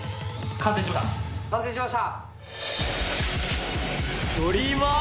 完成しました！